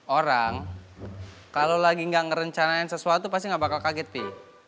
orang kalau lagi gak ngerencanain sesuatu pasti gak bakal kaget pi